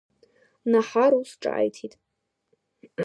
Наҳар ус ҿааиҭит…